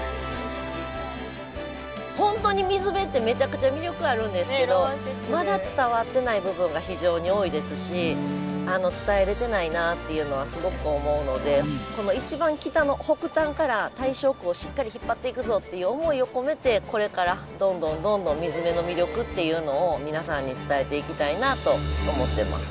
本当に水辺ってめちゃくちゃ魅力あるんですけどまだ伝わってない部分が非常に多いですし伝えれてないなっていうのはすごく思うのでこの一番北の北端から大正区をしっかり引っ張っていくぞっていう思いを込めてこれからどんどんどんどん水辺の魅力っていうのを皆さんに伝えていきたいなと思ってます。